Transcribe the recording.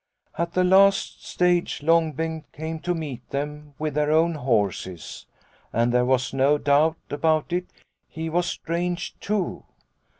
" At the last stage Long Bengt came to meet them with their own horses. And there was no doubt about it, he was strange, too.